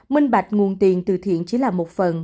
minh bạch nguồn tiền từ thiện chỉ là một phần